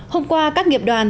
hôm qua các nghiệp đoàn